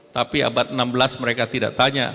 tapi abad enam belas mereka tidak tanya